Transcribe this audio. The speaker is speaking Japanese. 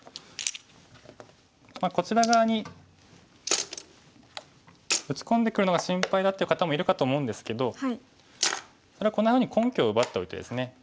こちら側に打ち込んでくるのが心配だっていう方もいるかと思うんですけどそれはこんなふうに根拠を奪っておいてですね。